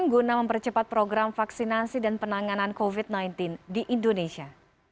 guna mempercepat program vaksinasi dan penanganan covid sembilan belas di indonesia